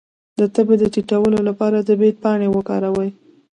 د تبې د ټیټولو لپاره د بید پاڼې وکاروئ